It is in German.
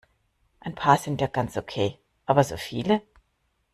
Ein paar sind ja ganz okay, aber so viele?